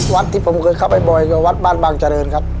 วัดที่ผมเคยเข้าไปบ่อยก็วัดบ้านบางเจริญครับ